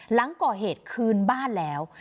หลังก่อเหตุคืนบ้านแล้ว